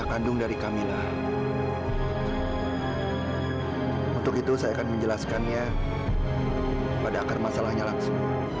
ami semua ke sini